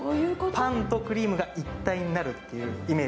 パンとクリームが一体になるっていうイメージですね。